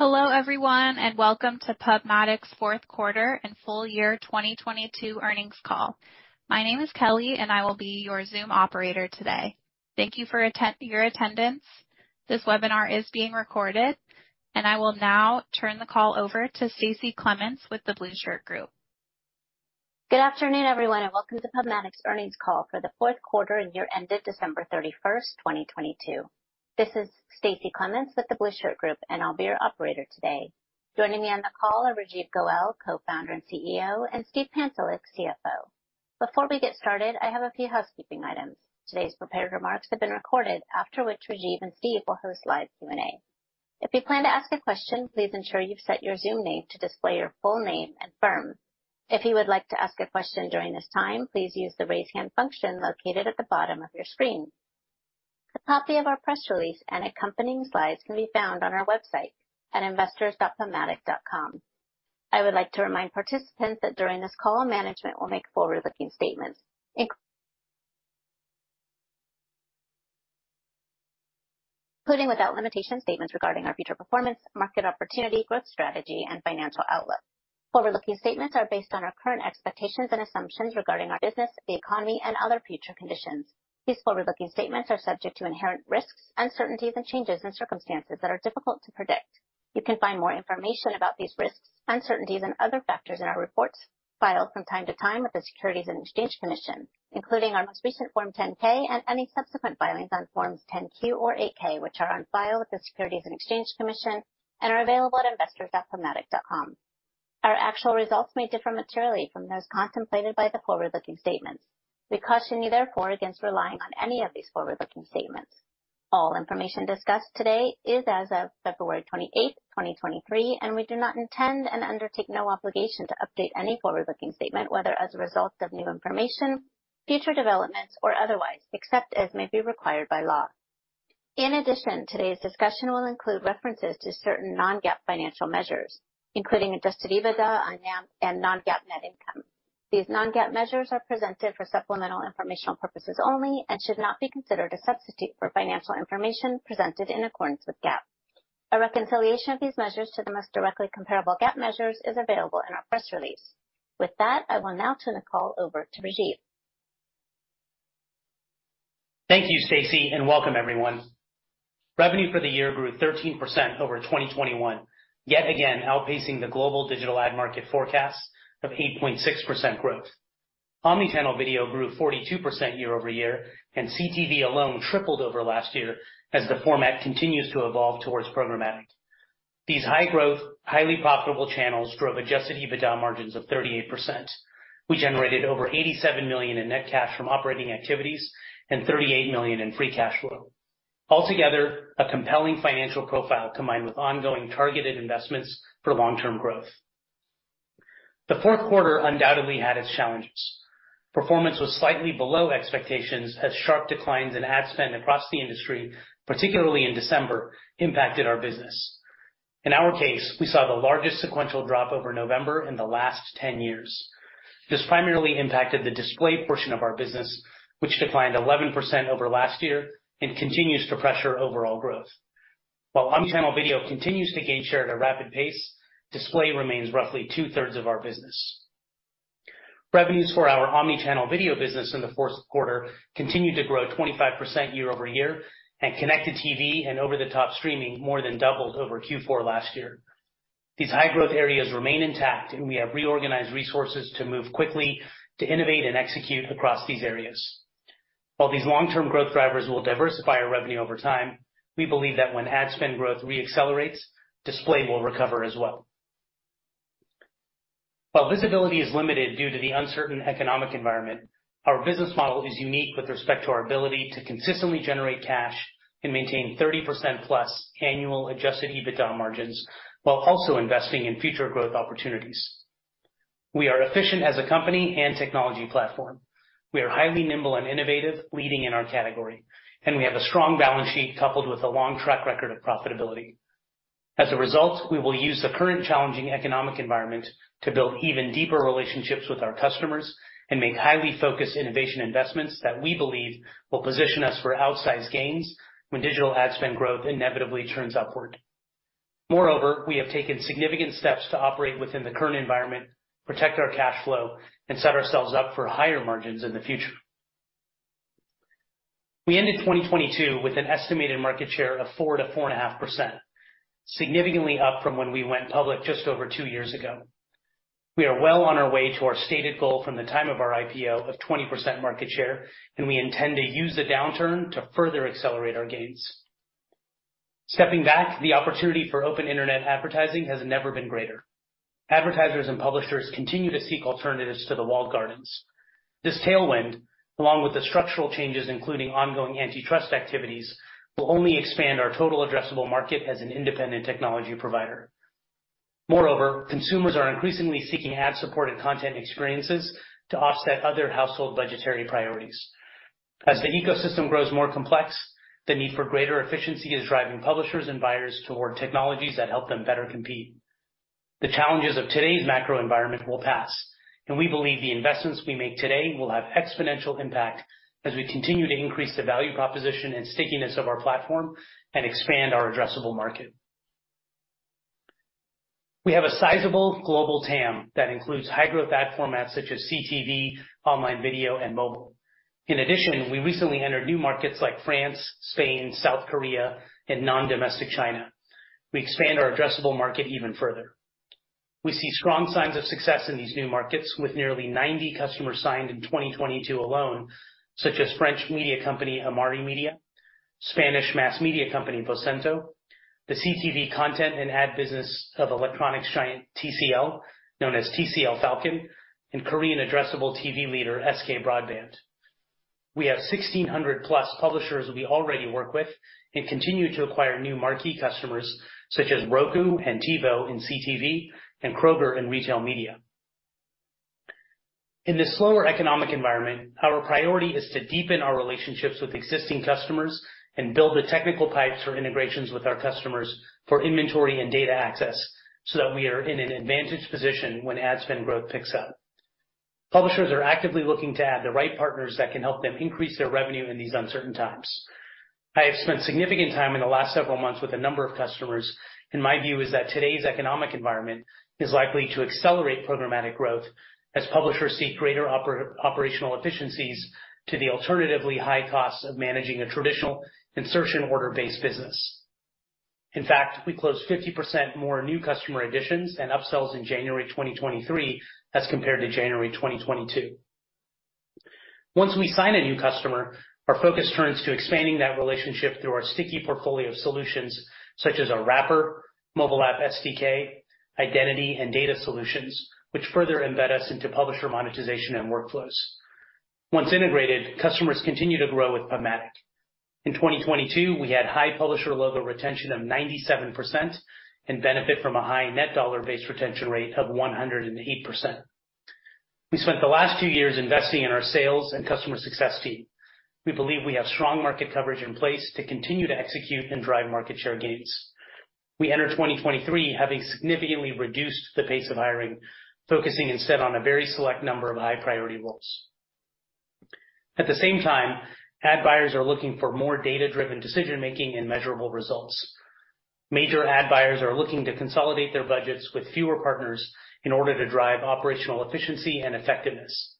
Hello, everyone, welcome to PubMatic's Fourth Quarter and Full-Year 2022 Earnings Call. My name is Kelly and I will be your Zoom operator today. Thank you for your attendance. This webinar is being recorded. I will now turn the call over to Stacie Clements with The Blueshirt Group. Good afternoon, everyone, welcome to PubMatic's earnings call for the fourth quarter and year ended December 31, 2022. This is Stacie Clements with The Blueshirt Group, I'll be your operator today. Joining me on the call are Rajeev Goel, Co-founder and CEO, and Steve Pantelick, CFO. Before we get started, I have a few housekeeping items. Today's prepared remarks have been recorded, after which Rajeev and Steve will host live Q&A. If you plan to ask a question, please ensure you've set your Zoom name to display your full name and firm. If you would like to ask a question during this time, please use the Raise Hand function located at the bottom of your screen. A copy of our press release and accompanying slides can be found on our website at investors.pubmatic.com. I would like to remind participants that during this call, management will make forward-looking statements, including without limitation statements regarding our future performance, market opportunity, growth strategy, and financial outlook. Forward-looking statements are based on our current expectations and assumptions regarding our business, the economy, and other future conditions. These forward-looking statements are subject to inherent risks, uncertainties, and changes in circumstances that are difficult to predict. You can find more information about these risks, uncertainties, and other factors in our reports filed from time to time with the Securities and Exchange Commission, including our most recent Form 10-K and any subsequent filings on forms 10-Q or 8-K, which are on file with the Securities and Exchange Commission and are available at investors.pubmatic.com. Our actual results may differ materially from those contemplated by the forward-looking statements. We caution you therefore against relying on any of these forward-looking statements. All information discussed today is as of February 28, 2023. We do not intend and undertake no obligation to update any forward-looking statement, whether as a result of new information, future developments or otherwise, except as may be required by law. In addition, today's discussion will include references to certain non-GAAP financial measures, including Adjusted EBITDA and non-GAAP net income. These non-GAAP measures are presented for supplemental informational purposes only and should not be considered a substitute for financial information presented in accordance with GAAP. A reconciliation of these measures to the most directly comparable GAAP measures is available in our press release. With that, I will now turn the call over to Rajeev. Thank you, Stacie, and welcome everyone. Revenue for the year grew 13% over 2021, yet again outpacing the global digital ad market forecast of 8.6% growth. Omnichannel video grew 42% year-over-year, and CTV alone tripled over last year as the format continues to evolve towards programmatic. These high-growth, highly profitable channels drove Adjusted EBITDA margins of 38%. We generated over $87 million in net cash from operating activities and $38 million in free cash flow. Altogether, a compelling financial profile combined with ongoing targeted investments for long-term growth. The fourth quarter undoubtedly had its challenges. Performance was slightly below expectations as sharp declines in ad spend across the industry, particularly in December, impacted our business. In our case, we saw the largest sequential drop over November in the last 10 years. This primarily impacted the display portion of our business, which declined 11% over last year and continues to pressure overall growth. While omnichannel video continues to gain share at a rapid pace, display remains roughly 2/3 of our business. Revenues for our omnichannel video business in the fourth quarter continued to grow 25% year-over-year, and connected TV and over-the-top streaming more than doubled over Q4 last year. These high growth areas remain intact, and we have reorganized resources to move quickly to innovate and execute across these areas. While these long-term growth drivers will diversify our revenue over time, we believe that when ad spend growth re-accelerates, display will recover as well. While visibility is limited due to the uncertain economic environment, our business model is unique with respect to our ability to consistently generate cash and maintain 30%-plus annual Adjusted EBITDA margins while also investing in future growth opportunities. We are efficient as a company and technology platform. We are highly nimble and innovative, leading in our category. We have a strong balance sheet coupled with a long track record of profitability. As a result, we will use the current challenging economic environment to build even deeper relationships with our customers and make highly focused innovation investments that we believe will position us for outsized gains when digital ad spend growth inevitably turns upward. Moreover, we have taken significant steps to operate within the current environment, protect our cash flow, and set ourselves up for higher margins in the future. We ended 2022 with an estimated market share of 4%-4.5%, significantly up from when we went public just over two years ago. We are well on our way to our stated goal from the time of our IPO of 20% market share. We intend to use the downturn to further accelerate our gains. Stepping back, the opportunity for open internet advertising has never been greater. Advertisers and publishers continue to seek alternatives to the walled gardens. This tailwind, along with the structural changes, including ongoing antitrust activities, will only expand our total addressable market as an independent technology provider. Moreover, consumers are increasingly seeking ad-supported content experiences to offset other household budgetary priorities. As the ecosystem grows more complex, the need for greater efficiency is driving publishers and buyers toward technologies that help them better compete. The challenges of today's macro environment will pass, and we believe the investments we make today will have exponential impact as we continue to increase the value proposition and stickiness of our platform and expand our addressable market. We have a sizable global TAM that includes high-growth ad formats such as CTV, online video and mobile. In addition, we recently entered new markets like France, Spain, South Korea and non-domestic China. We expand our addressable market even further. We see strong signs of success in these new markets, with nearly 90 customers signed in 2022 alone, such as French media company Amaury Média, Spanish mass media company Vocento, the CTV content and ad business of electronics giant TCL, known as TCL FFalcon, and Korean addressable TV leader SK Broadband. We have 1,600+ publishers we already work with and continue to acquire new marquee customers such as Roku and TiVo in CTV and Kroger in retail media. In this slower economic environment, our priority is to deepen our relationships with existing customers and build the technical pipes for integrations with our customers for inventory and data access so that we are in an advantaged position when ad spend growth picks up. Publishers are actively looking to add the right partners that can help them increase their revenue in these uncertain times. I have spent significant time in the last several months with a number of customers. My view is that today's economic environment is likely to accelerate programmatic growth as publishers seek greater operational efficiencies to the alternatively high costs of managing a traditional insertion order-based business. In fact, we closed 50% more new customer additions and upsells in January 2023 as compared to January 2022. Once we sign a new customer, our focus turns to expanding that relationship through our sticky portfolio of solutions such as our wrapper, mobile app SDK, identity and data solutions, which further embed us into publisher monetization and workflows. Once integrated, customers continue to grow with PubMatic. In 2022, we had high publisher logo retention of 97% and benefit from a high Net Dollar-Based Retention rate of 108%. We spent the last two years investing in our sales and customer success team. We believe we have strong market coverage in place to continue to execute and drive market share gains. We enter 2023 having significantly reduced the pace of hiring, focusing instead on a very select number of high-priority roles. At the same time, ad buyers are looking for more data-driven decision-making and measurable results. Major ad buyers are looking to consolidate their budgets with fewer partners in order to drive operational efficiency and effectiveness.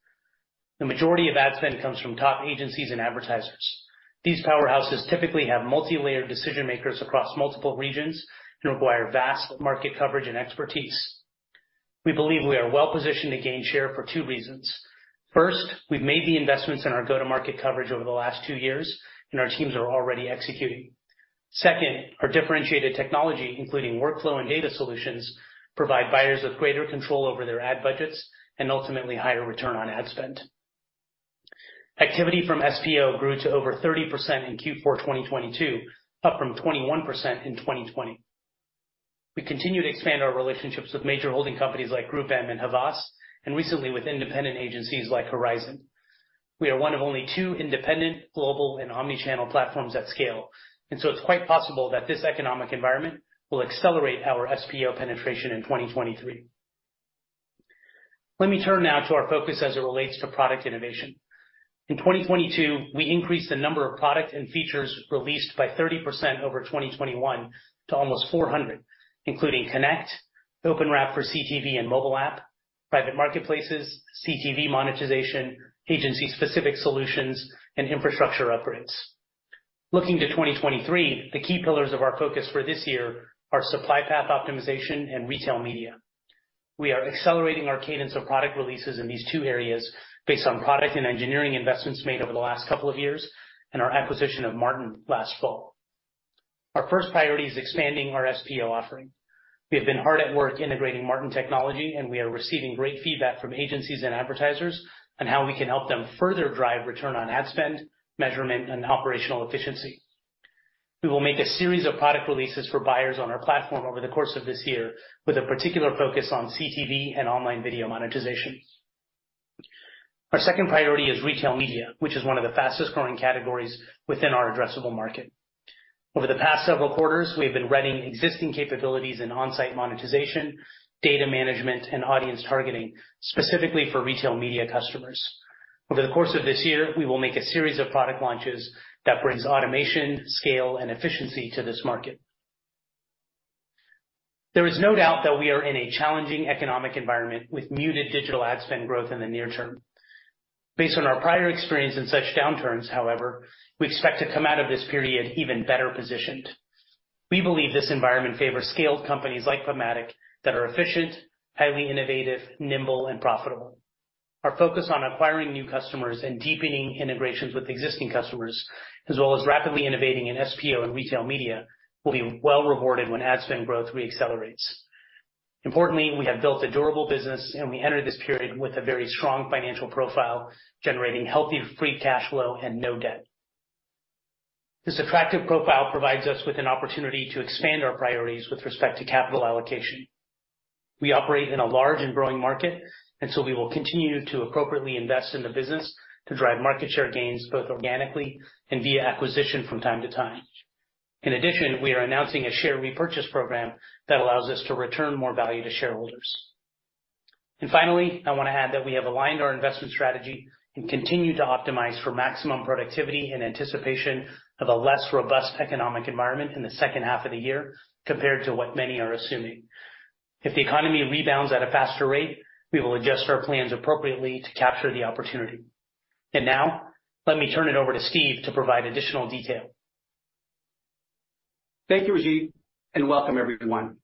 The majority of ad spend comes from top agencies and advertisers. These powerhouses typically have multilayered decision-makers across multiple regions and require vast market coverage and expertise. We believe we are well-positioned to gain share for two reasons. First, we've made the investments in our go-to-market coverage over the last two years, and our teams are already executing. Our differentiated technology, including workflow and data solutions, provide buyers with greater control over their ad budgets and ultimately higher return on ad spend. Activity from SPO grew to over 30% in Q4 2022, up from 21% in 2020. We continue to expand our relationships with major holding companies like GroupM and Havas, and recently with independent agencies like Horizon. We are one of only two independent global and omni-channel platforms at scale, it's quite possible that this economic environment will accelerate our SPO penetration in 2023. Let me turn now to our focus as it relates to product innovation. In 2022, we increased the number of product and features released by 30% over 2021 to almost 400, including Connect, OpenWrap for CTV and mobile app, private marketplaces, CTV monetization, agency-specific solutions and infrastructure upgrades. Looking to 2023, the key pillars of our focus for this year are supply path optimization and retail media. We are accelerating our cadence of product releases in these two areas based on product and engineering investments made over the last couple of years and our acquisition of Martin last fall. Our first priority is expanding our SPO offering. We have been hard at work integrating Martin Technology, and we are receiving great feedback from agencies and advertisers on how we can help them further drive return on ad spend, measurement and operational efficiency. We will make a series of product releases for buyers on our platform over the course of this year, with a particular focus on CTV and online video monetization. Our second priority is retail media, which is one of the fastest-growing categories within our addressable market. Over the past several quarters, we have been running existing capabilities in on-site monetization, data management and audience targeting, specifically for retail media customers. Over the course of this year, we will make a series of product launches that brings automation, scale and efficiency to this market. There is no doubt that we are in a challenging economic environment with muted digital ad spend growth in the near term. Based on our prior experience in such downturns, however, we expect to come out of this period even better positioned. We believe this environment favors scaled companies like PubMatic that are efficient, highly innovative, nimble and profitable. Our focus on acquiring new customers and deepening integrations with existing customers, as well as rapidly innovating in SPO and retail media, will be well rewarded when ad spend growth re-accelerates. Importantly, we have built a durable business, and we enter this period with a very strong financial profile, generating healthy free cash flow and no debt. This attractive profile provides us with an opportunity to expand our priorities with respect to capital allocation. We operate in a large and growing market, and so we will continue to appropriately invest in the business to drive market share gains, both organically and via acquisition from time to time. In addition, we are announcing a share repurchase program that allows us to return more value to shareholders. Finally, I wanna add that we have aligned our investment strategy and continue to optimize for maximum productivity in anticipation of a less robust economic environment in the second half of the year compared to what many are assuming. If the economy rebounds at a faster rate, we will adjust our plans appropriately to capture the opportunity. Now let me turn it over to Steve to provide additional detail. Thank you, Rajeev, and welcome everyone.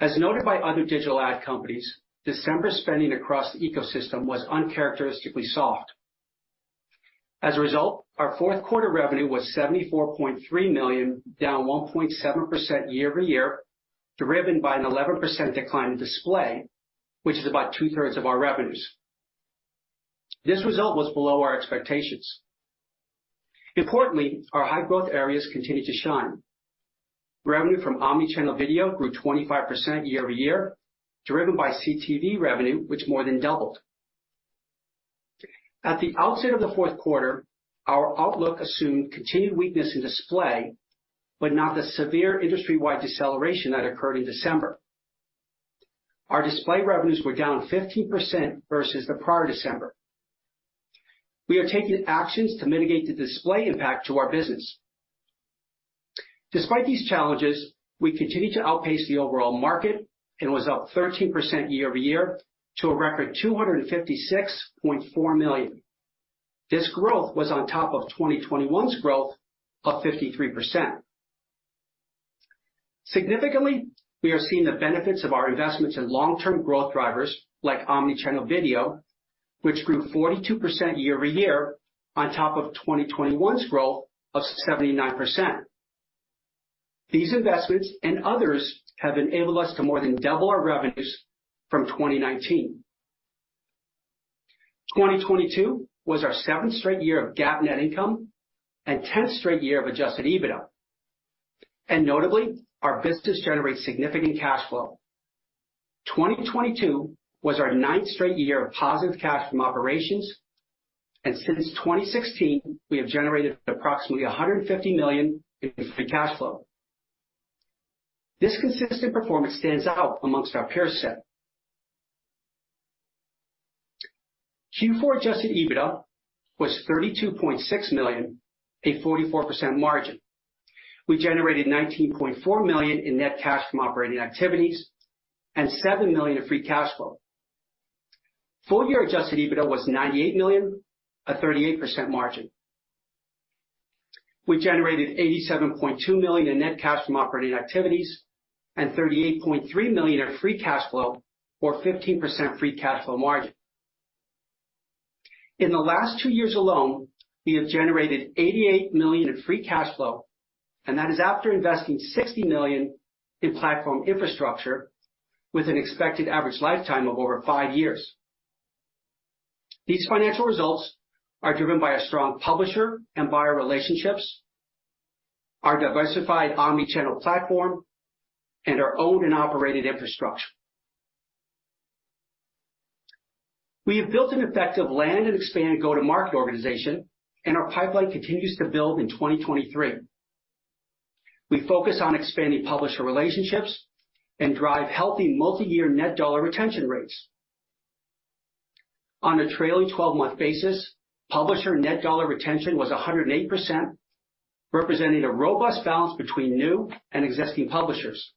As noted by other digital ad companies, December spending across the ecosystem was uncharacteristically soft. As a result, our fourth quarter revenue was $74.3 million, down 1.7% year-over-year, driven by an 11% decline in display, which is about 2/3 of our revenues. This result was below our expectations. Importantly, our high growth areas continued to shine. Revenue from omnichannel video grew 25% year-over-year, driven by CTV revenue, which more than doubled. At the outset of the fourth quarter, our outlook assumed continued weakness in display, but not the severe industry-wide deceleration that occurred in December. Our display revenues were down 15% versus the prior December. We are taking actions to mitigate the display impact to our business. Despite these challenges, we continue to outpace the overall market and was up 13% year-over-year to a record $256.4 million. This growth was on top of 2021's growth of 53%. Significantly, we are seeing the benefits of our investments in long-term growth drivers like omnichannel video, which grew 42% year-over-year on top of 2021's growth of 79%. These investments and others have enabled us to more than double our revenues from 2019. 2022 was our seventh straight year of GAAP net income and 10th straight year of Adjusted EBITDA. Notably, our business generates significant cash flow. 2022 was our ninth straight year of positive cash from operations, and since 2016, we have generated approximately $150 million in free cash flow. This consistent performance stands out amongst our peer set. Q4 Adjusted EBITDA was $32.6 million, a 44% margin. We generated $19.4 million in net cash from operating activities and $7 million in free cash flow. Full-year Adjusted EBITDA was $98 million, a 38% margin. We generated $87.2 million in net cash from operating activities and $38.3 million in free cash flow or 15% free cash flow margin. In the last two years alone, we have generated $88 million in free cash flow, that is after investing $60 million in platform infrastructure with an expected average lifetime of over five years. These financial results are driven by a strong publisher and buyer relationships, our diversified omnichannel platform, and our owned and operated infrastructure. We have built an effective land and expand go-to-market organization. Our pipeline continues to build in 2023. We focus on expanding publisher relationships. Drive healthy multiyear net dollar retention rates. On a trailing 12-month basis, publisher net dollar retention was 108%, representing a robust balance between new and existing publishers.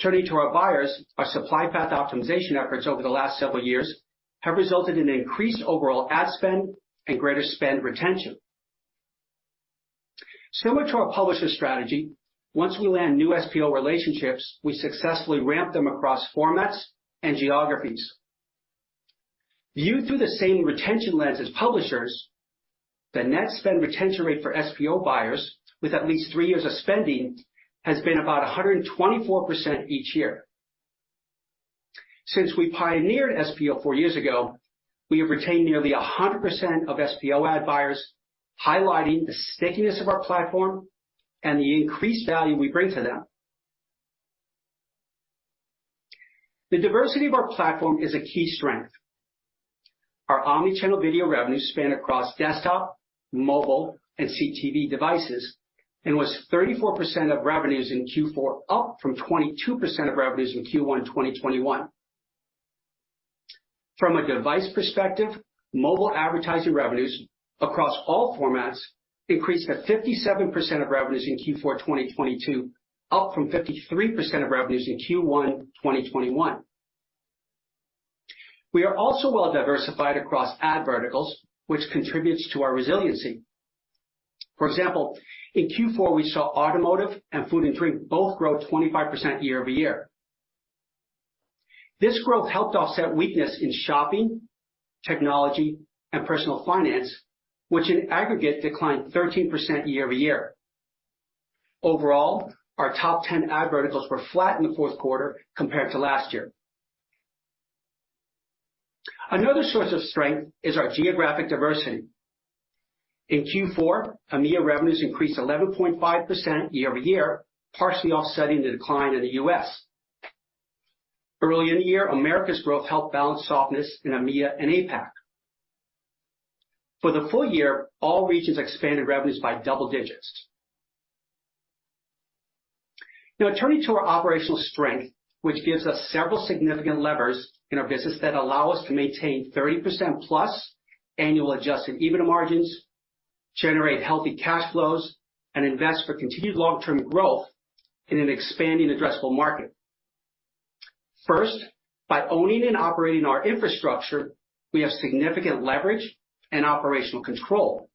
Turning to our buyers, our supply path optimization efforts over the last several years have resulted in increased overall ad spend and greater spend retention. Similar to our publisher strategy, once we land new SPO relationships, we successfully ramp them across formats and geographies. Viewed through the same retention lens as publishers, the net spend retention rate for SPO buyers with at least three years of spending has been about 124% each year. Since we pioneered SPO four years ago, we have retained nearly 100% of SPO ad buyers, highlighting the stickiness of our platform and the increased value we bring to them. The diversity of our platform is a key strength. Our omnichannel video revenues span across desktop, mobile, and CTV devices and was 34% of revenues in Q4, up from 22% of revenues in Q1 2021. From a device perspective, mobile advertising revenues across all formats increased to 57% of revenues in Q4 2022, up from 53% of revenues in Q1 2021. We are also well diversified across ad verticals, which contributes to our resiliency. For example, in Q4, we saw automotive and food and drink both grow 25% year-over-year. This growth helped offset weakness in shopping, technology, and personal finance, which in aggregate declined 13% year-over-year. Overall, our top 10 ad verticals were flat in the fourth quarter compared to last year. Another source of strength is our geographic diversity. In Q4, EMEA revenues increased 11.5% year-over-year, partially offsetting the decline in the U.S. Early in the year, America's growth helped balance softness in EMEA and APAC. For the full year, all regions expanded revenues by double digits. Now turning to our operational strength, which gives us several significant levers in our business that allow us to maintain 30%+ annual Adjusted EBITDA margins, generate healthy cash flows, and invest for continued long-term growth in an expanding addressable market. First, by owning and operating our infrastructure, we have significant leverage and operational control,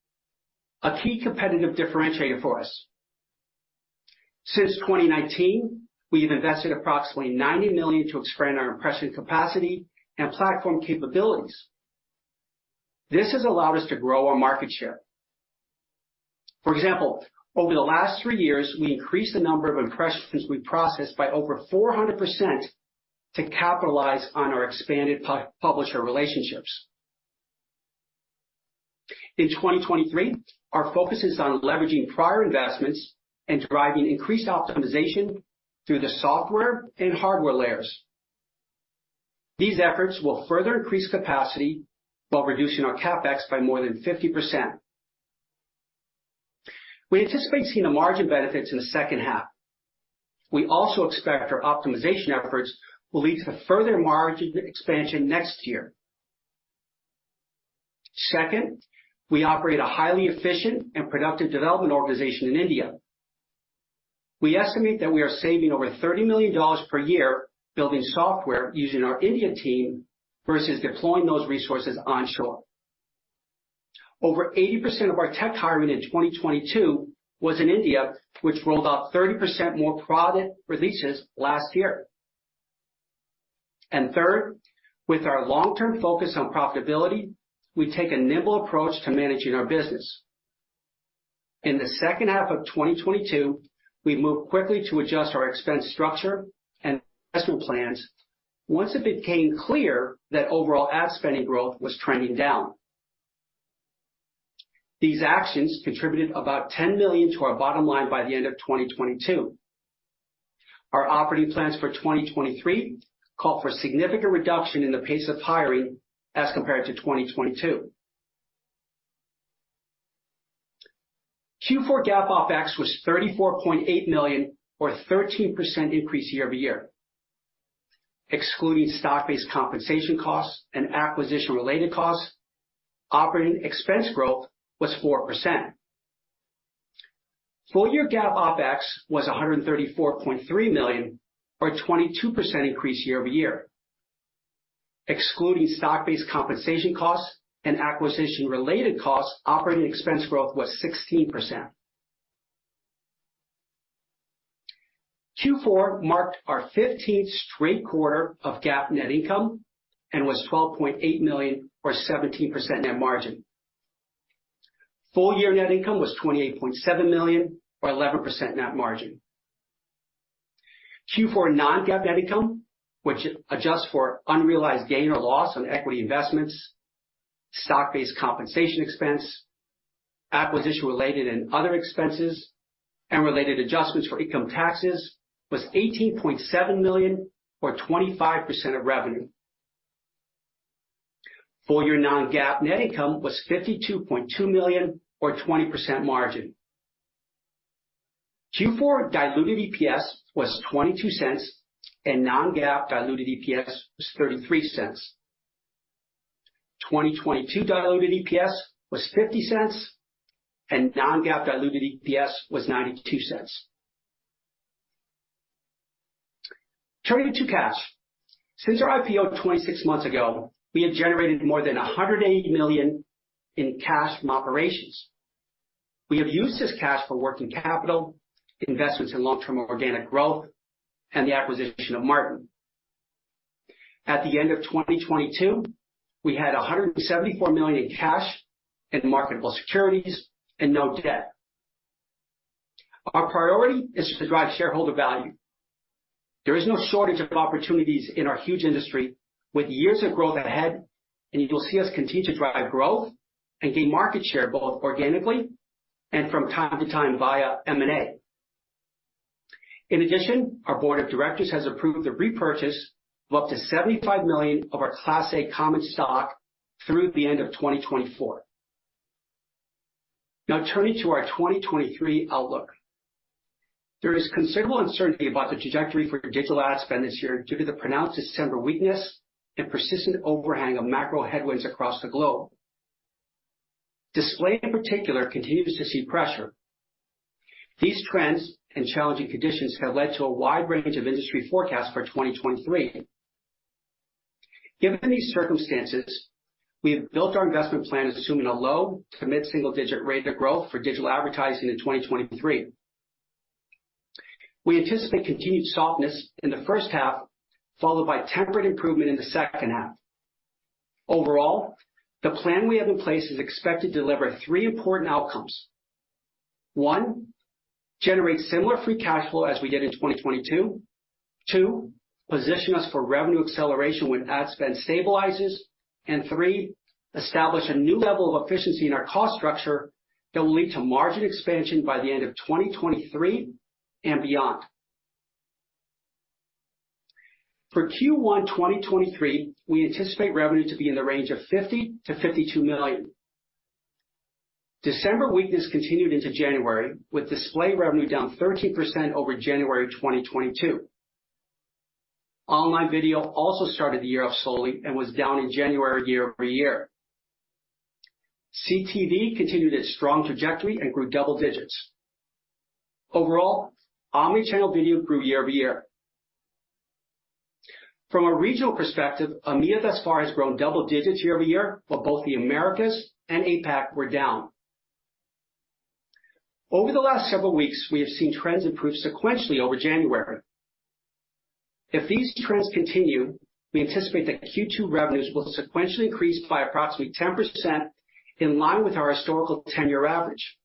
a key competitive differentiator for us. Since 2019, we have invested approximately $90 million to expand our impression capacity and platform capabilities. This has allowed us to grow our market share. For example, over the last three years, we increased the number of impressions we processed by over 400% to capitalize on our expanded publisher relationships. In 2023, our focus is on leveraging prior investments and driving increased optimization through the software and hardware layers. These efforts will further increase capacity while reducing our CapEx by more than 50%. We anticipate seeing the margin benefits in the second half. We also expect our optimization efforts will lead to further margin expansion next year. Second, we operate a highly efficient and productive development organization in India. We estimate that we are saving over $30 million per year building software using our India team versus deploying those resources onshore. Over 80% of our tech hiring in 2022 was in India, which rolled out 30% more product releases last year. Third, with our long-term focus on profitability, we take a nimble approach to managing our business. In the second half of 2022, we moved quickly to adjust our expense structure and investment plans once it became clear that overall ad spending growth was trending down. These actions contributed about $10 million to our bottom line by the end of 2022. Our operating plans for 2023 call for significant reduction in the pace of hiring as compared to 2022. Q4 GAAP OpEx was $34.8 million or 13% increase year-over-year. Excluding stock-based compensation costs and acquisition-related costs, operating expense growth was 4%. Full-year GAAP OpEx was $134.3 million, or a 22% increase year-over-year. Excluding stock-based compensation costs and acquisition-related costs, operating expense growth was 16%. Q4 marked our 15th straight quarter of GAAP net income and was $12.8 million or 17% net margin. Full-year net income was $28.7 million or 11% net margin. Q4 non-GAAP net income, which adjusts for unrealized gain or loss on equity investments, stock-based compensation expense, acquisition-related and other expenses, and related adjustments for income taxes, was $18.7 million or 25% of revenue. Full year non-GAAP net income was $52.2 million or 20% margin. Q4 diluted EPS was $0.22, and non-GAAP diluted EPS was $0.33. 2022 diluted EPS was $0.50, and non-GAAP diluted EPS was $0.92. Turning to cash. Since our IPO 26 months ago, we have generated more than $180 million in cash from operations. We have used this cash for working capital, investments in long-term organic growth, and the acquisition of Martin. At the end of 2022, we had $174 million in cash and marketable securities and no debt. Our priority is to drive shareholder value. There is no shortage of opportunities in our huge industry with years of growth ahead, and you will see us continue to drive growth and gain market share both organically and from time to time via M&A. In addition, our board of directors has approved the repurchase of up to $75 million of our Class A common stock through the end of 2024. Now turning to our 2023 outlook. There is considerable uncertainty about the trajectory for digital ad spend this year due to the pronounced December weakness and persistent overhang of macro headwinds across the globe. Display in particular continues to see pressure. These trends and challenging conditions have led to a wide range of industry forecasts for 2023. Given these circumstances, we have built our investment plan assuming a low to mid-single digit rate of growth for digital advertising in 2023. We anticipate continued softness in the first half, followed by temperate improvement in the second half. Overall, the plan we have in place is expected to deliver three important outcomes. One, generate similar free cash flow as we did in 2022. Two, position us for revenue acceleration when ad spend stabilizes. Three, establish a new level of efficiency in our cost structure. That will lead to margin expansion by the end of 2023 and beyond. For Q1 2023, we anticipate revenue to be in the range of $50 million-$52 million. December weakness continued into January, with display revenue down 13% over January 2022. Online video also started the year off slowly and was down in January year-over-year. CTV continued its strong trajectory and grew double digits. Overall, omni-channel video grew year-over-year. From a regional perspective, EMEA thus far has grown double digits year-over-year while both the Americas and APAC were down. Over the last several weeks, we have seen trends improve sequentially over January. If these trends continue, we anticipate that Q2 revenues will sequentially increase by approximately 10% in line with our historical 10-year average.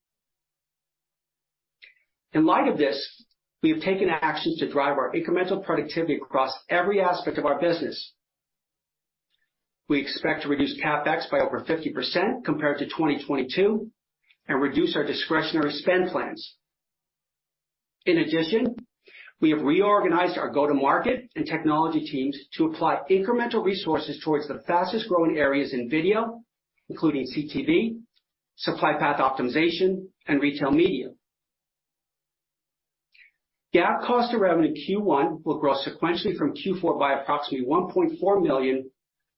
In light of this, we have taken actions to drive our incremental productivity across every aspect of our business. We expect to reduce CapEx by over 50% compared to 2022 and reduce our discretionary spend plans. In addition, we have reorganized our go-to-market and technology teams to apply incremental resources towards the fastest-growing areas in video, including CTV, supply path optimization, and retail media. GAAP cost of revenue Q1 will grow sequentially from Q4 by approximately $1.4 million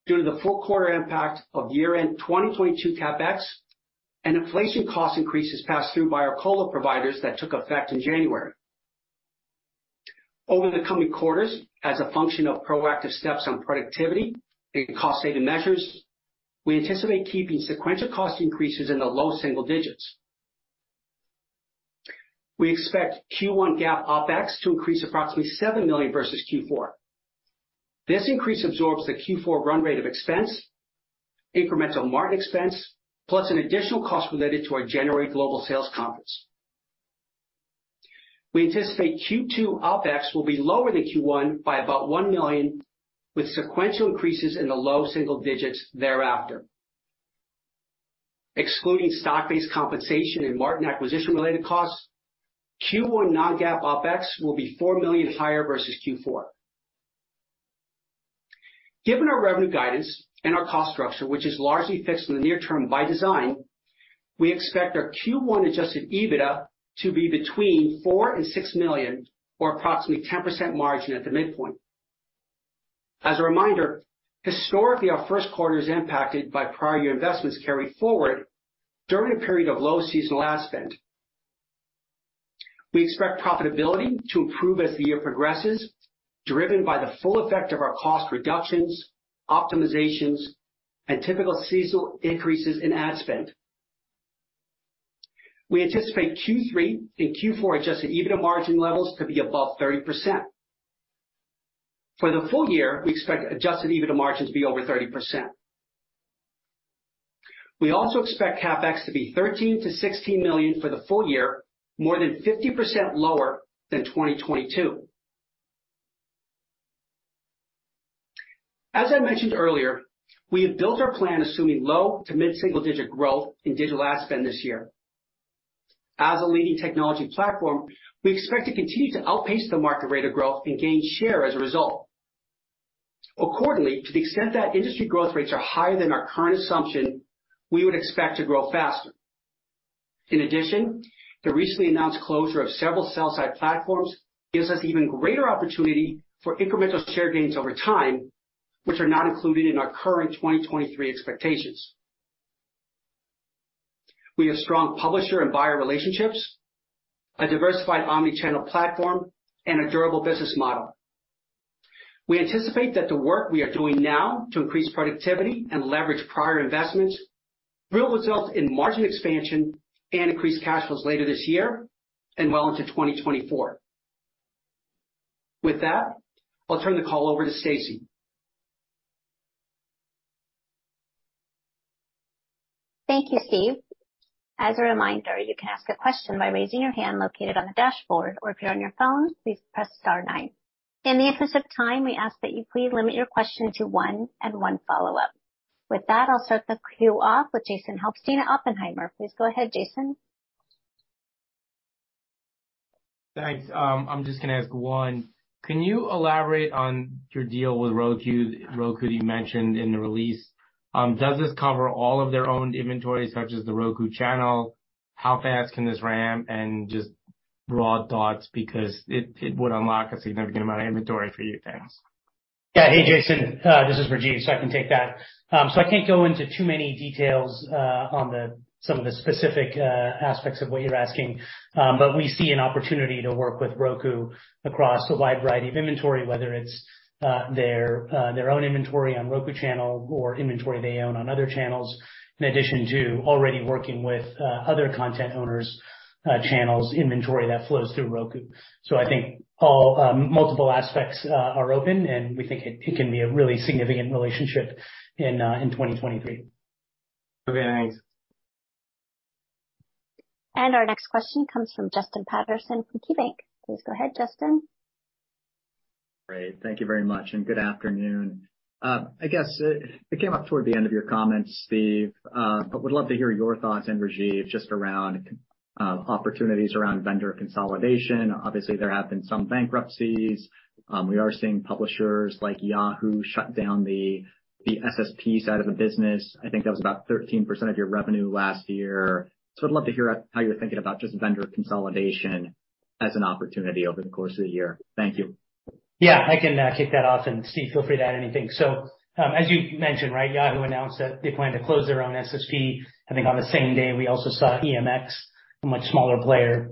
due to the full quarter impact of year-end 2022 CapEx and inflation cost increases passed through by our colo providers that took effect in January. Over the coming quarters, as a function of proactive steps on productivity and cost-saving measures, we anticipate keeping sequential cost increases in the low single digits. We expect Q1 GAAP OpEx to increase approximately $7 million versus Q4. This increase absorbs the Q4 run rate of expense, incremental Martin expense, plus an additional cost related to our January global sales conference. We anticipate Q2 OpEx will be lower than Q1 by about $1 million, with sequential increases in the low single digits thereafter. Excluding stock-based compensation and Martin acquisition-related costs, Q1 non-GAAP OpEx will be $4 million higher versus Q4. Given our revenue guidance and our cost structure, which is largely fixed in the near term by design, we expect our Q1 Adjusted EBITDA to be between $4 million and $6 million or approximately 10% margin at the midpoint. As a reminder, historically, our first quarter is impacted by prior year investments carried forward during a period of low seasonal ad spend. We expect profitability to improve as the year progresses, driven by the full effect of our cost reductions, optimizations, and typical seasonal increases in ad spend. We anticipate Q3 and Q4 Adjusted EBITDA margin levels to be above 30%. For the full year, we expect Adjusted EBITDA margins to be over 30%. We also expect CapEx to be $13 million-$16 million for the full year, more than 50% lower than 2022. As I mentioned earlier, we have built our plan assuming low to mid-single digit growth in digital ad spend this year. As a leading technology platform, we expect to continue to outpace the market rate of growth and gain share as a result. To the extent that industry growth rates are higher than our current assumption, we would expect to grow faster. The recently announced closure of several sell-side platforms gives us even greater opportunity for incremental share gains over time, which are not included in our current 2023 expectations. We have strong publisher and buyer relationships, a diversified omni-channel platform, and a durable business model. We anticipate that the work we are doing now to increase productivity and leverage prior investments will result in margin expansion and increased cash flows later this year and well into 2024. With that, I'll turn the call over to Stacie. Thank you, Steve. You can ask a question by raising your hand located on the dashboard, or if you're on your phone, please press star nine. In the interest of time, we ask that you please limit your question to one and one follow-up. With that, I'll start the queue off with Jason Helfstein at Oppenheimer. Please go ahead, Jason. Thanks. I'm just gonna ask one. Can you elaborate on your deal with Roku? Roku, you mentioned in the release. Does this cover all of their owned inventory, such as The Roku Channel? How fast can this ramp? Just broad thoughts because it would unlock a significant amount of inventory for you guys. Hey, Jason Helfstein, this is Rajeev Goel, I can take that. I can't go into too many details on the some of the specific aspects of what you're asking. We see an opportunity to work with Roku across a wide variety of inventory, whether it's their own inventory on The Roku Channel or inventory they own on other channels, in addition to already working with other content owners' channels inventory that flows through Roku. I think all multiple aspects are open, and we think it can be a really significant relationship in 2023. Okay, thanks. Our next question comes from Justin Patterson from KeyBanc. Please go ahead, Justin. Great. Thank you very much. Good afternoon. I guess, it came up toward the end of your comments, Steve. Would love to hear your thoughts and Rajeev, just around opportunities around vendor consolidation. Obviously, there have been some bankruptcies. We are seeing publishers like Yahoo shut down the SSP side of the business. I think that was about 13% of your revenue last year. I'd love to hear how you're thinking about just vendor consolidation as an opportunity over the course of the year. Thank you. Yeah, I can kick that off, and Steve, feel free to add anything. As you mentioned, right, Yahoo announced that they plan to close their own SSP. I think on the same day, we also saw EMX, a much smaller player,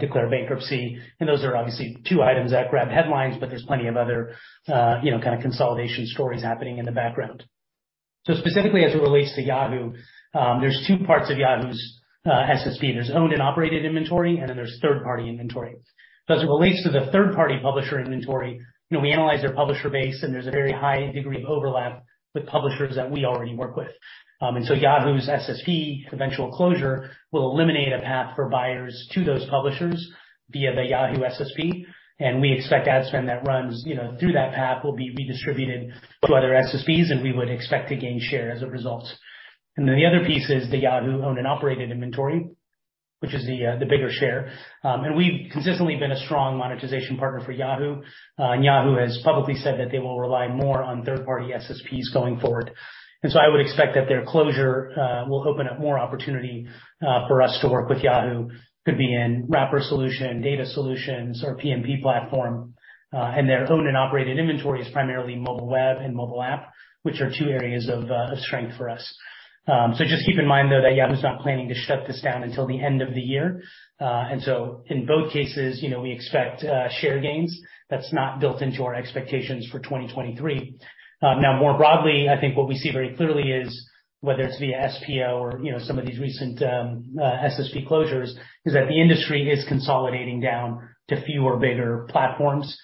declare bankruptcy. Those are obviously two items that grabbed headlines, but there's plenty of other, you know, kind of consolidation stories happening in the background. Specifically as it relates to Yahoo, there's two parts of Yahoo's SSP. There's owned and operated inventory, and then there's third-party inventory. As it relates to the third-party publisher inventory, you know, we analyze their publisher base, and there's a very high degree of overlap with publishers that we already work with. Yahoo's SSP eventual closure will eliminate a path for buyers to those publishers via the Yahoo SSP. We expect ad spend that runs, you know, through that path will be redistributed to other SSPs, and we would expect to gain share as a result. The other piece is the Yahoo owned and operated inventory, which is the bigger share. We've consistently been a strong monetization partner for Yahoo. Yahoo has publicly said that they will rely more on third-party SSPs going forward. I would expect that their closure will open up more opportunity for us to work with Yahoo, could be in wrapper solution, data solutions or PMP platform. Their owned and operated inventory is primarily mobile web and mobile app, which are two areas of strength for us. Just keep in mind, though, that Yahoo is not planning to shut this down until the end of the year. In both cases, you know, we expect share gains. That's not built into our expectations for 2023. More broadly, I think what we see very clearly is whether it's via SPO or, you know, some of these recent SSP closures, is that the industry is consolidating down to fewer, bigger platforms.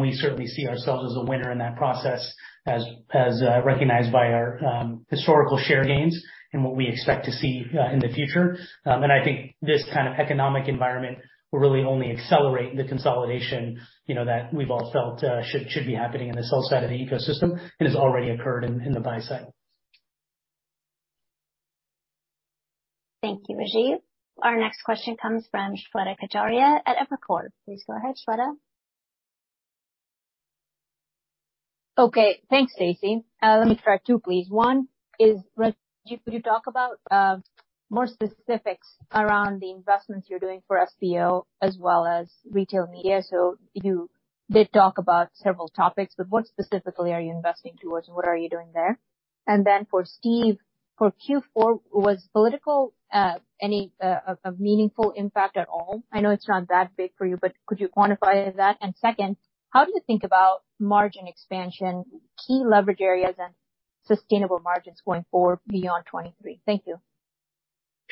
We certainly see ourselves as a winner in that process as recognized by our historical share gains and what we expect to see in the future. I think this kind of economic environment will really only accelerate the consolidation, you know, that we've all felt, should be happening in the sell side of the ecosystem and has already occurred in the buy side. Thank you, Rajeev. Our next question comes from Shweta Khajuria at Evercore. Please go ahead, Shweta. Okay, thanks, Stacie. Let me try two, please. One is, Rajeev, could you talk about more specifics around the investments you're doing for SPO as well as retail media? You did talk about several topics, but what specifically are you investing towards and what are you doing there? For Steve, for Q4, was political any of meaningful impact at all? I know it's not that big for you, but could you quantify that? Second, how do you think about margin expansion, key leverage areas and sustainable margins going forward beyond 2023? Thank you.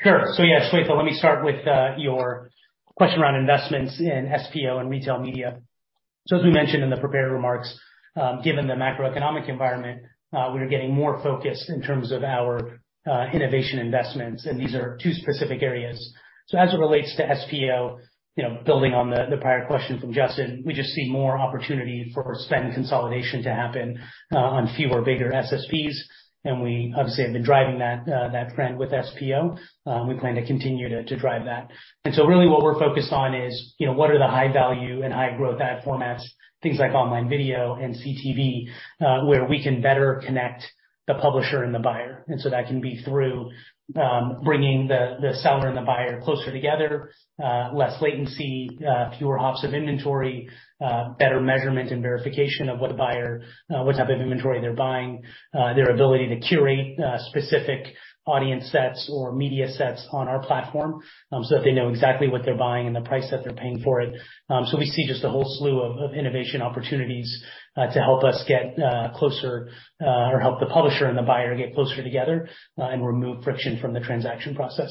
Sure. Yeah, Shweta, let me start with your question around investments in SPO and retail media. As we mentioned in the prepared remarks, given the macroeconomic environment, we are getting more focused in terms of our innovation investments, and these are two specific areas. As it relates to SPO, you know, building on the prior question from Justin, we just see more opportunity for spend consolidation to happen on fewer, bigger SSPs. We obviously have been driving that trend with SPO. We plan to continue to drive that. Really what we're focused on is, you know, what are the high value and high growth ad formats, things like online video and CTV, where we can better connect the publisher and the buyer. That can be through bringing the seller and the buyer closer together, less latency, fewer hops of inventory, better measurement and verification of what a buyer, what type of inventory they're buying, their ability to curate specific audience sets or media sets on our platform, so that they know exactly what they're buying and the price that they're paying for it. So we see just a whole slew of innovation opportunities to help us get closer, or help the publisher and the buyer get closer together, and remove friction from the transaction process.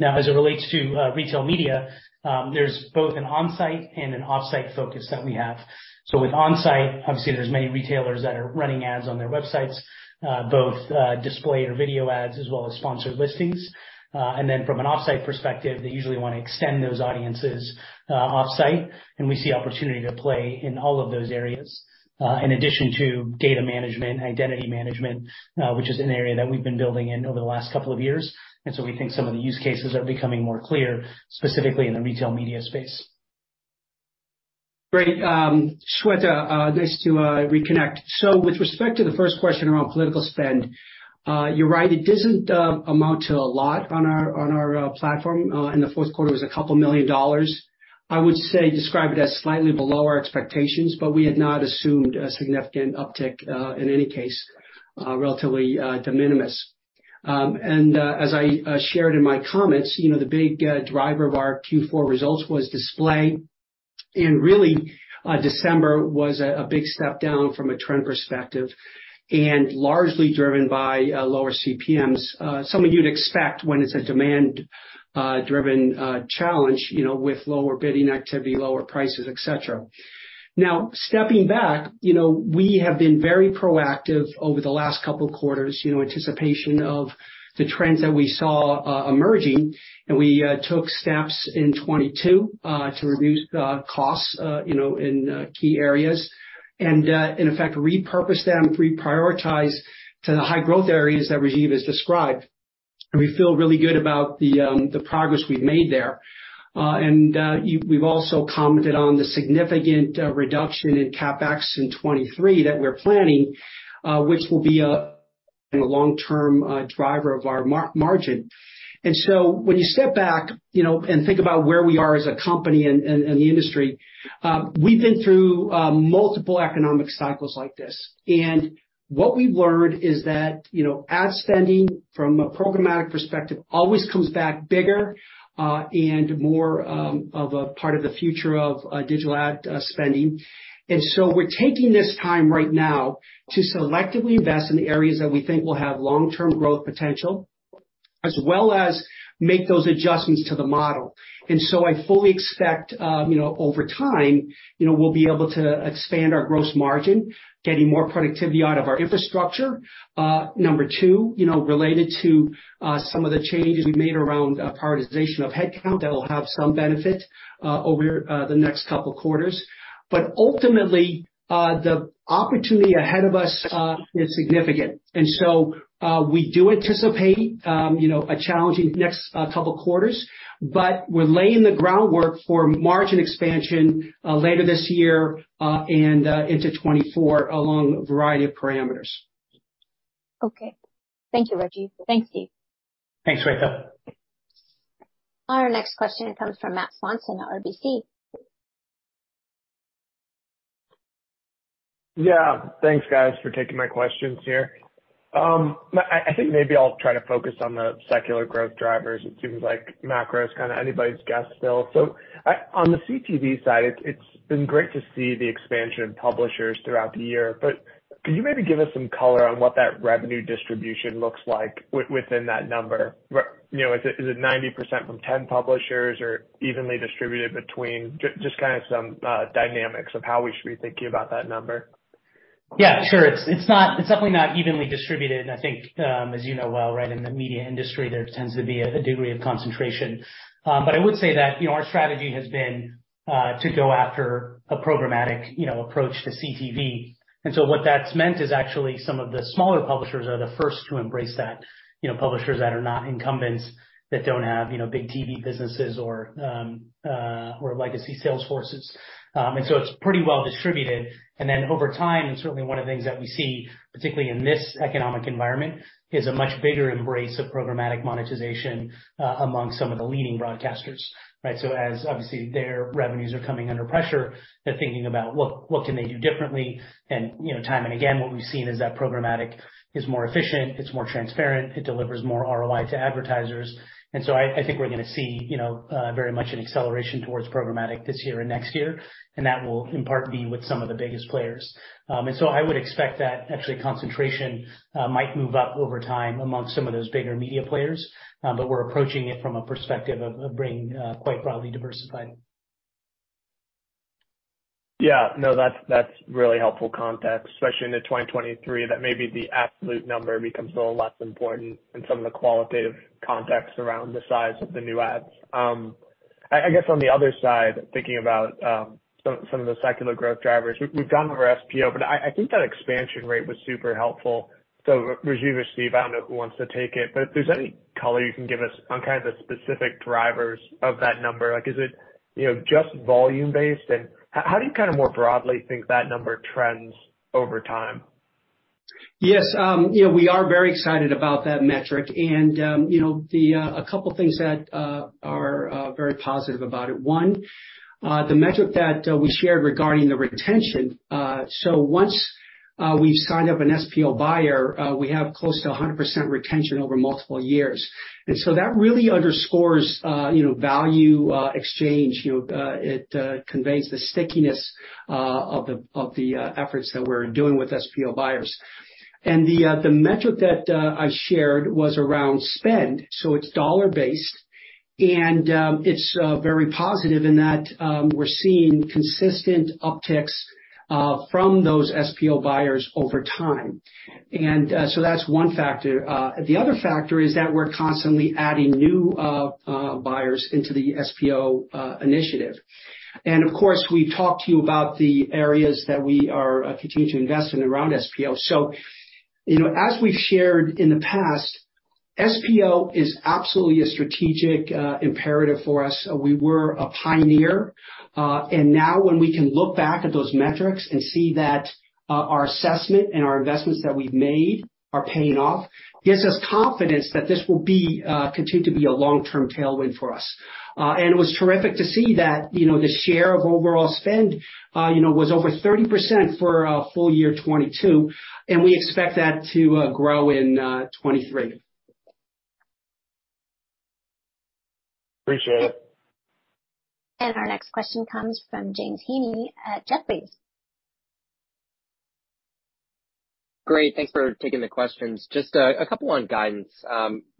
As it relates to retail media, there's both an on-site and an off-site focus that we have. With on-site, obviously there's many retailers that are running ads on their websites, both display or video ads as well as sponsored listings. Then from an off-site perspective, they usually wanna extend those audiences offsite, and we see opportunity to play in all of those areas, in addition to data management, identity management, which is an area that we've been building in over the last couple of years. We think some of the use cases are becoming more clear, specifically in the retail media space. Great. Shweta, nice to reconnect. With respect to the first question around political spend, you're right, it doesn't amount to a lot on our, on our platform. In the fourth quarter, it was a couple million dollars. I would say describe it as slightly below our expectations. We had not assumed a significant uptick in any case, relatively de minimis. As I shared in my comments, you know, the big driver of our Q4 results was display. Really, December was a big step down from a trend perspective and largely driven by lower CPMs, something you'd expect when it's a demand driven challenge, you know, with lower bidding activity, lower prices, et cetera. Now, stepping back, you know, we have been very proactive over the last couple of quarters, you know, anticipation of the trends that we saw emerging. We took steps in 2022 to reduce the costs, you know, in key areas, and in effect, repurpose them, reprioritize to the high growth areas that Rajeev has described. We feel really good about the progress we've made there. We've also commented on the significant reduction in CapEx in 2023 that we're planning, which will be a long-term driver of our margin. When you step back, you know, and think about where we are as a company and the industry, we've been through multiple economic cycles like this. What we've learned is that, you know, ad spending from a programmatic perspective always comes back bigger and more of a part of the future of digital ad spending. We're taking this time right now to selectively invest in the areas that we think will have long-term growth potential, as well as make those adjustments to the model. I fully expect, you know, over time, you know, we'll be able to expand our gross margin, getting more productivity out of our infrastructure. Number two, you know, related to some of the changes we made around prioritization of headcount, that will have some benefit over the next couple quarters. Ultimately, the opportunity ahead of us is significant. We do anticipate, you know, a challenging next couple quarters, but we're laying the groundwork for margin expansion later this year, and into 2024 along a variety of parameters. Okay. Thank you, Rajeev. Thanks, Steve. Thanks, Shweta. Our next question comes from Matthew Swanson, RBC. Thanks, guys, for taking my questions here. I think maybe I'll try to focus on the secular growth drivers. It seems like macro is kinda anybody's guess still. on the CTV side, it's been great to see the expansion of publishers throughout the year, could you maybe give us some color on what that revenue distribution looks like within that number? you know, is it 90% from 10 publishers or evenly distributed between... just kinda some dynamics of how we should be thinking about that number. Yeah, sure. It's definitely not evenly distributed, and I think, as you know well, right, in the media industry, there tends to be a degree of concentration. I would say that, you know, our strategy has been to go after a programmatic, you know, approach to CTV. What that's meant is actually some of the smaller publishers are the first to embrace that, you know, publishers that are not incumbents that don't have, you know, big TV businesses or legacy sales forces. It's pretty well distributed. Over time, and certainly one of the things that we see, particularly in this economic environment, is a much bigger embrace of programmatic monetization among some of the leading broadcasters, right? As obviously their revenues are coming under pressure, they're thinking about what can they do differently? You know, time and again, what we've seen is that programmatic is more efficient, it's more transparent, it delivers more ROI to advertisers. I think we're gonna see, you know, very much an acceleration towards programmatic this year and next year, and that will in part be with some of the biggest players. I would expect that actually concentration might move up over time among some of those bigger media players, but we're approaching it from a perspective of being quite broadly diversified. Yeah. No, that's really helpful context, especially into 2023, that maybe the absolute number becomes a little less important in some of the qualitative context around the size of the new ads. I guess on the other side, thinking about, some of the secular growth drivers, we've gone over SPO, but I think that expansion rate was super helpful. Rajeev or Steve, I don't know who wants to take it, but if there's any color you can give us on kind of the specific drivers of that number. Like, is it, you know, just volume-based? How do you kind of more broadly think that number trends over time? Yes. you know, we are very excited about that metric. you know, a couple things that are very positive about it. One, the metric that we shared regarding the retention. once we've signed up an SPO buyer, we have close to 100% retention over multiple years. that really underscores, you know, value exchange. You know, it conveys the stickiness of the efforts that we're doing with SPO buyers. the metric that I shared was around spend, so it's dollar-based. it's very positive in that we're seeing consistent upticks from those SPO buyers over time. that's one factor. The other factor is that we're constantly adding new buyers into the SPO initiative. Of course, we talked to you about the areas that we are continuing to invest in around SPO. You know, as we've shared in the past, SPO is absolutely a strategic imperative for us. We were a pioneer. Now when we can look back at those metrics and see that our assessment and our investments that we've made are paying off, gives us confidence that this will be continue to be a long-term tailwind for us. It was terrific to see that, you know, the share of overall spend, you know, was over 30% for full-year 2022, and we expect that to grow in 2023. Appreciate it. Our next question comes from James Heaney at Jefferies. Great. Thanks for taking the questions. Just a couple on guidance.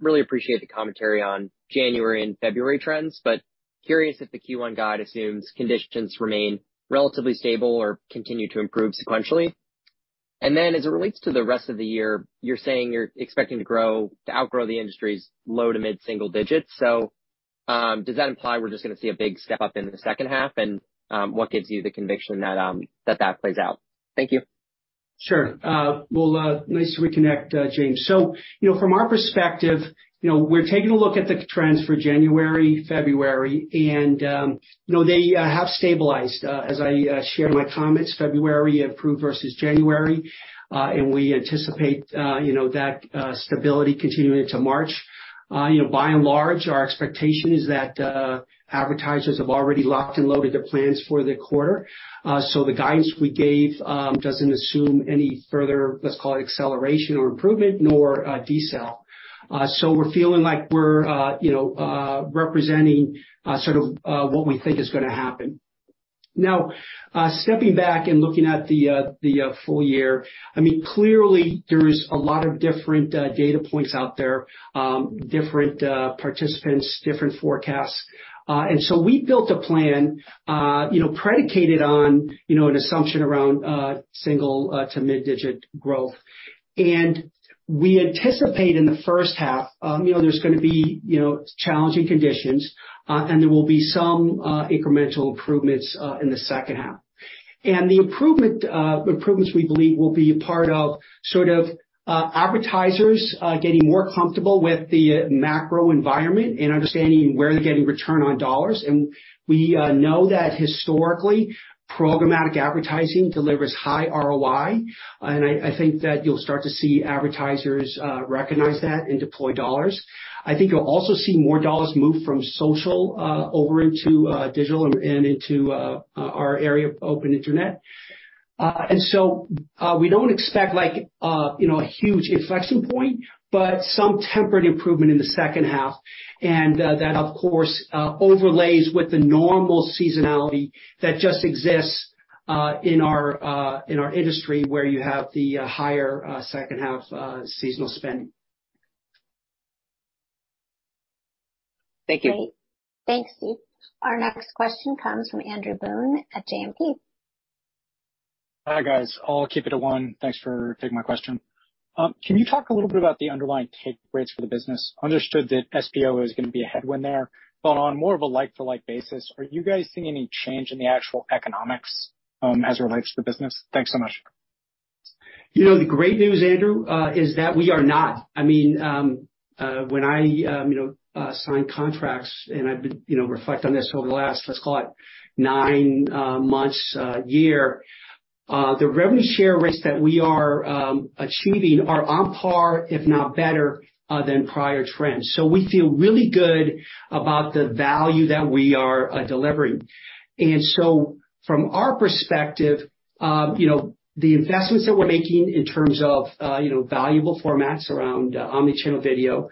Really appreciate the commentary on January and February trends, but curious if the Q1 guide assumes conditions remain relatively stable or continue to improve sequentially. As it relates to the rest of the year, you're saying you're expecting to outgrow the industry's low to mid-single digits. Does that imply we're just gonna see a big step-up in the second half? What gives you the conviction that that plays out? Thank you. Well, nice to reconnect, James. You know, from our perspective, you know, we're taking a look at the trends for January, February, and, you know, they have stabilized. As I share my comments, February improved versus January, and we anticipate, you know, that stability continuing into March. You know, by and large, our expectation is that advertisers have already locked and loaded their plans for the quarter. The guidance we gave doesn't assume any further, let's call it, acceleration or improvement nor decel. We're feeling like we're, you know, representing sort of what we think is gonna happen. Now, stepping back and looking at the full year, I mean, clearly there's a lot of different data points out there, different participants, different forecasts. We built a plan, you know, predicated on, you know, an assumption around single to mid-digit growth. We anticipate in the first half, you know, there's gonna be, you know, challenging conditions, and there will be some incremental improvements in the second half. The improvements we believe will be part of sort of advertisers getting more comfortable with the macro environment and understanding where they're getting return on dollars. We know that historically, programmatic advertising delivers high ROI, and I think that you'll start to see advertisers recognize that and deploy dollars. I think you'll also see more dollars move from social over into digital and into our area of open internet. We don't expect like, you know, a huge inflection point, but some temperate improvement in the second half. That, of course, overlays with the normal seasonality that just exists in our industry, where you have the higher second half seasonal spending. Thank you. Great. Thanks, Steve. Our next question comes from Andrew Boone at JMP. Hi, guys. I'll keep it at one. Thanks for taking my question. Can you talk a little bit about the underlying take rates for the business? Understood that SPO is gonna be a headwind there, but on more of a like-for-like basis, are you guys seeing any change in the actual economics, as it relates to the business? Thanks so much. You know, the great news, Andrew, is that we are not. I mean, when I, you know, sign contracts, and I've been, you know, reflect on this over the last, let's call it 9 months, year, the revenue share rates that we are achieving are on par, if not better, than prior trends. We feel really good about the value that we are delivering. From our perspective, you know, the investments that we're making in terms of, you know, valuable formats around omnichannel video,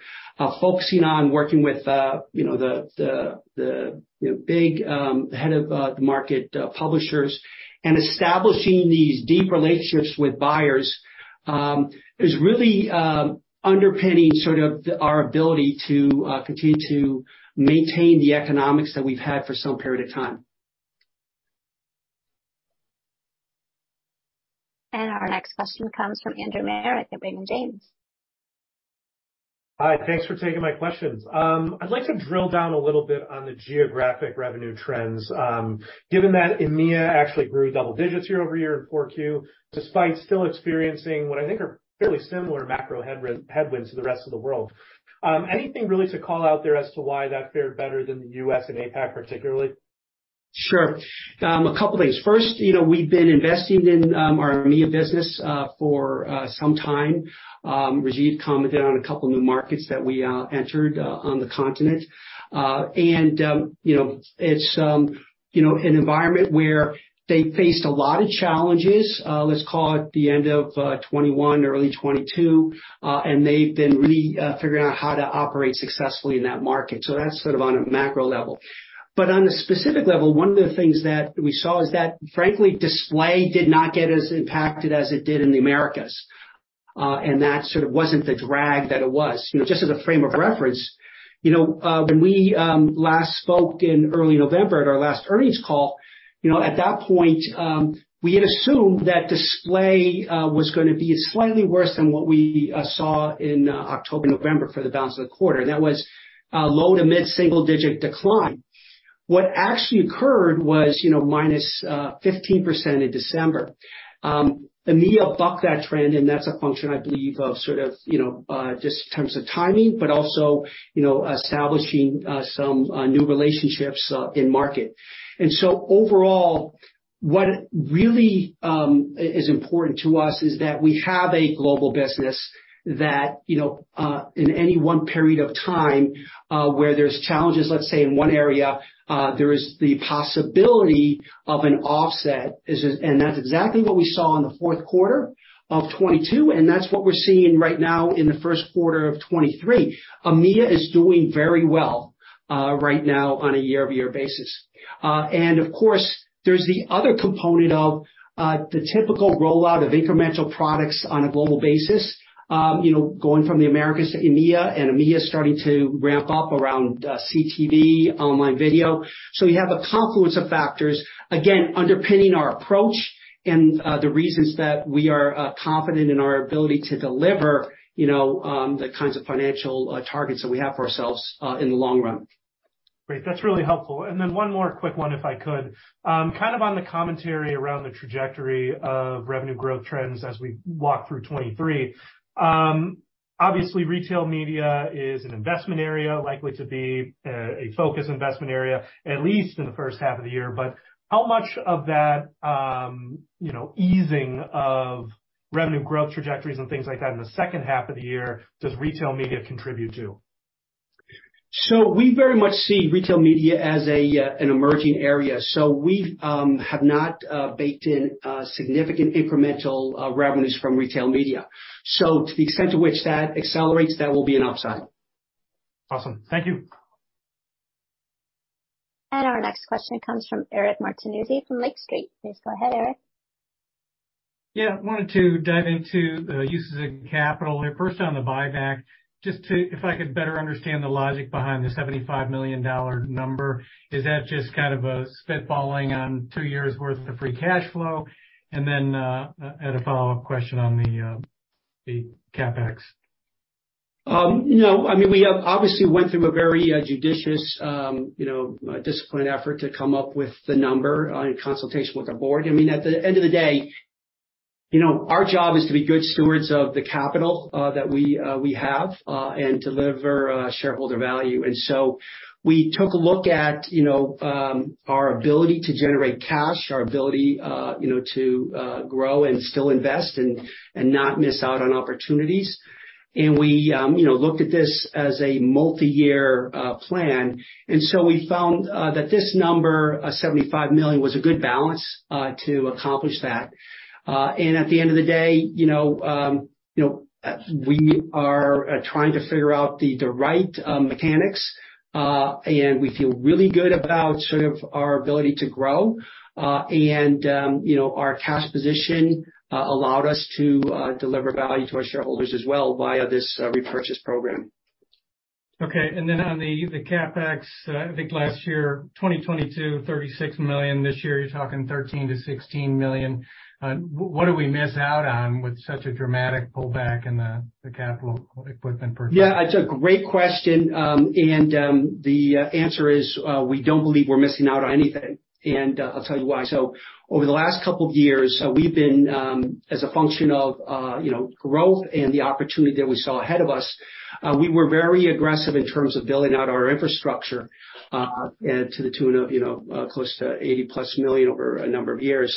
focusing on working with, you know, the big head of the market publishers and establishing these deep relationships with buyers, is really underpinning sort of our ability to continue to maintain the economics that we've had for some period of time. Our next question comes from Andrew Marok at Raymond James. Hi. Thanks for taking my questions. I'd like to drill down a little bit on the geographic revenue trends. Given that EMEA actually grew double digits year-over-year in 4Q, despite still experiencing what I think are fairly similar macro headwinds to the rest of the world. Anything really to call out there as to why that fared better than the U.S. and APAC particularly? Sure. A couple things. First, you know, we've been investing in our EMEA business for some time. Rajeev commented on a couple of new markets that we entered on the continent. You know, it's, you know, an environment where they faced a lot of challenges, let's call it the end of 2021 or early 2022. They've been really figuring out how to operate successfully in that market. That's sort of on a macro level. On a specific level, one of the things that we saw is that, frankly, display did not get as impacted as it did in the Americas. That sort of wasn't the drag that it was. You know, just as a frame of reference, you know, when we last spoke in early November at our last earnings call, you know, at that point, we had assumed that display was gonna be slightly worse than what we saw in October, November for the balance of the quarter. That was a low to mid-single-digit decline. What actually occurred was, you know, -15% in December. EMEA bucked that trend, and that's a function, I believe, of sort of, you know, just in terms of timing, but also, you know, establishing some new relationships in market. Overall, what really is important to us is that we have a global business that, you know, in any one period of time, where there's challenges, let's say in one area, there is the possibility of an offset. That's exactly what we saw in the fourth quarter of 2022, and that's what we're seeing right now in the first quarter of 2023. EMEA is doing very well right now on a year-over-year basis. Of course, there's the other component of the typical rollout of incremental products on a global basis, you know, going from the Americas to EMEA, and EMEA is starting to ramp up around CTV, online video. We have a confluence of factors, again, underpinning our approach and the reasons that we are confident in our ability to deliver, you know, the kinds of financial targets that we have for ourselves in the long run. Great. That's really helpful. One more quick one if I could. Kind of on the commentary around the trajectory of revenue growth trends as we walk through 2023. Obviously retail media is an investment area likely to be a focus investment area, at least in the first half of the year. How much of that, you know, easing of revenue growth trajectories and things like that in the second half of the year does retail media contribute to? We very much see retail media as an emerging area. We have not baked in significant incremental revenues from retail media. To the extent to which that accelerates, that will be an upside. Awesome. Thank you. Our next question comes from Eric Martinuzzi from Lake Street. Please go ahead, Eric. Yeah. Wanted to dive into uses of capital. First on the buyback, if I could better understand the logic behind the $75 million number, is that just kind of a spitballing on two years worth of free cash flow? A follow-up question on the CapEx? No, I mean, we have obviously went through a very judicious, you know, disciplined effort to come up with the number in consultation with our board. I mean, at the end of the day, you know, our job is to be good stewards of the capital that we have and deliver shareholder value. We took a look at, you know, our ability to generate cash, our ability, you know, to grow and still invest and not miss out on opportunities. We, you know, looked at this as a multi-year plan, and so we found that this number, $75 million, was a good balance to accomplish that. At the end of the day, you know, you know, we are trying to figure out the right mechanics, and we feel really good about sort of our ability to grow. You know, our cash position allowed us to deliver value to our shareholders as well via this repurchase program. Okay. Then on the CapEx, I think last year, 2022, $36 million. This year, you're talking $13 million-$16 million. What did we miss out on with such a dramatic pullback in the capital equipment purchase? Yeah, it's a great question. The answer is we don't believe we're missing out on anything, I'll tell you why. Over the last couple years, we've been as a function of, you know, growth and the opportunity that we saw ahead of us, we were very aggressive in terms of building out our infrastructure to the tune of, you know, close to $80+ million over a number of years.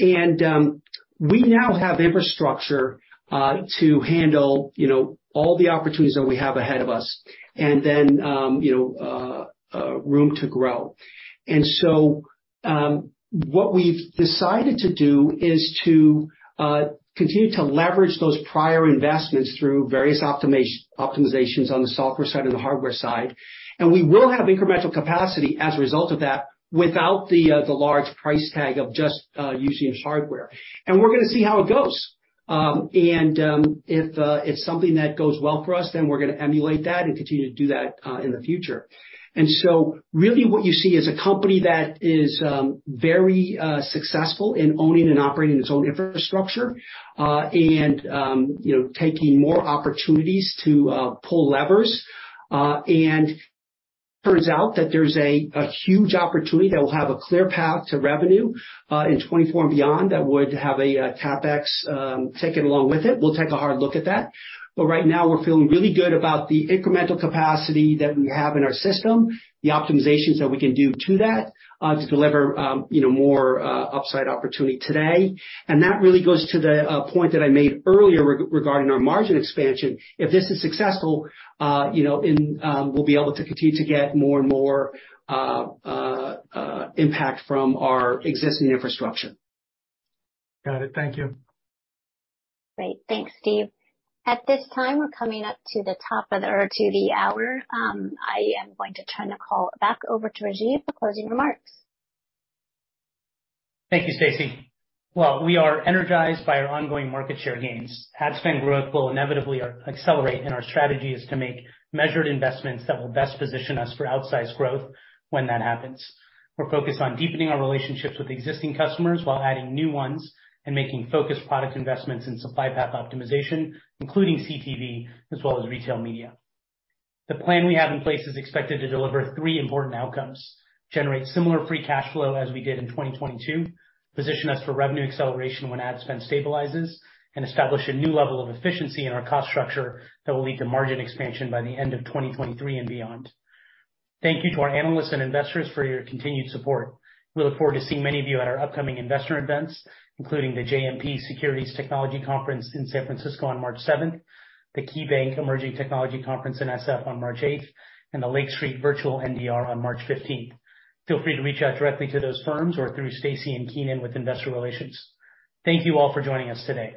We now have infrastructure to handle, you know, all the opportunities that we have ahead of us and then, you know, room to grow. What we've decided to do is to continue to leverage those prior investments through various optimizations on the software side and the hardware side. We will have incremental capacity as a result of that without the large price tag of just using hardware. We're gonna see how it goes. If it's something that goes well for us, then we're gonna emulate that and continue to do that in the future. Really what you see is a company that is very successful in owning and operating its own infrastructure, and, you know, taking more opportunities to pull levers. Turns out that there's a huge opportunity that will have a clear path to revenue in 2024 and beyond that would have a CapEx taken along with it. We'll take a hard look at that. Right now we're feeling really good about the incremental capacity that we have in our system, the optimizations that we can do to that, to deliver, you know, more upside opportunity today. That really goes to the point that I made earlier regarding our margin expansion. If this is successful, you know, in, we'll be able to continue to get more and more impact from our existing infrastructure. Got it. Thank you. Great. Thanks, Steve. At this time, we're coming up to the hour. I am going to turn the call back over to Rajeev for closing remarks. Thank you, Stacie. Well, we are energized by our ongoing market share gains. Ad spend growth will inevitably accelerate. Our strategy is to make measured investments that will best position us for outsized growth when that happens. We're focused on deepening our relationships with existing customers while adding new ones and making focused product investments in supply path optimization, including CTV as well as retail media. The plan we have in place is expected to deliver three important outcomes: generate similar free cash flow as we did in 2022, position us for revenue acceleration when ad spend stabilizes, establish a new level of efficiency in our cost structure that will lead to margin expansion by the end of 2023 and beyond. Thank you to our analysts and investors for your continued support. We look forward to seeing many of you at our upcoming investor events, including the JMP Securities Technology Conference in San Francisco on March 7th, the KeyBanc Emerging Technology Summit in SF on March 8th, and the Lake Street Virtual NDR on March 15th. Feel free to reach out directly to those firms or through Stacie and Keenan with Investor Relations. Thank you all for joining us today.